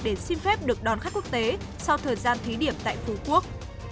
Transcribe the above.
để xin phép được đón khách quốc tế sau thời gian thí điểm tại phú quốc